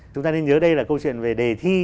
chúng ta nên nhớ đây là câu chuyện về đề thi